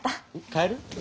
帰る？